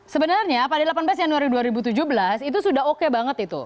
sebenarnya pada delapan belas januari dua ribu tujuh belas itu sudah oke banget itu